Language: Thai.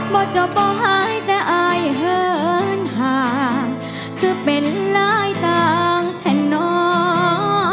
บ่จบ่หายแต่อายเหินห่างคือเป็นลายต่างแทนนอ